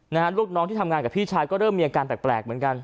ลูกน้องที่ทำงานกับพี่ชายก็เริ่มมีอาการแปลกแปลกเหมือนกัน